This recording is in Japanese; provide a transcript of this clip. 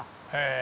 え？